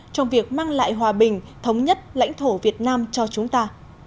trong việc mang lại hòa bình thống nhất lãnh thổ việt nam cho chúng ta